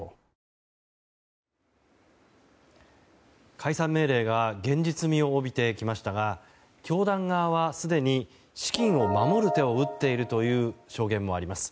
解散命令が現実味を帯びてきましたが教団側は、すでに資金を守る手を打っているという証言もあります。